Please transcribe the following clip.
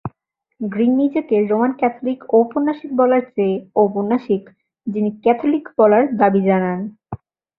Green নিজেকে Roman Catholic ঔপন্যাসিক বলার চেয়ে ঔপন্যাসিক যিনি ক্যাথলিক বলার দাবী জানান।